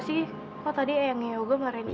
saya pake lega